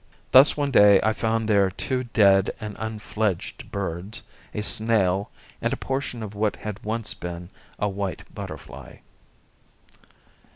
Thus one day I found there two dead and unfledged birds, a snail, and portion of what had once been a white butterfly.